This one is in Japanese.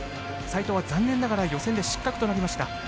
齋藤は残念ながら予選で失格となりました。